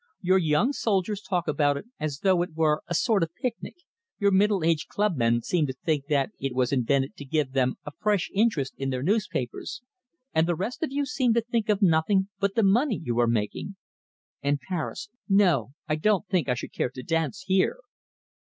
Your young soldiers talk about it as though it were a sort of picnic, your middle aged clubmen seem to think that it was invented to give them a fresh interest in their newspapers, and the rest of you seem to think of nothing but the money you are making. And Paris.... No, I don't think I should care to dance here!"